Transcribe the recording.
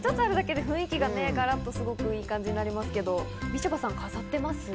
雰囲気がガラッとすごくいい感じになりますけど、みちょぱさん、飾ってます？